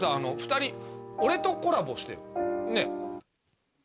２人俺とコラボしてよねっ。